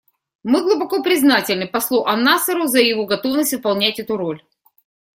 Мы глубоко признательны послу ан-Насеру за его готовность выполнять эту роль.